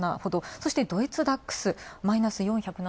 そしてドイツダックス、マイナス４０７